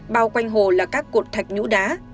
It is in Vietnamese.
bao quanh hồ là các cột thạch nhũ đá